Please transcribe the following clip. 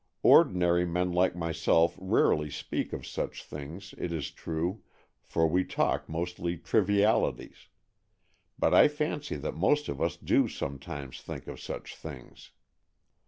Ordinary men like myself rarely speak of such things, it is true, for we talk mostly trivialities. But I fancy that most of us do sometimes think of such things.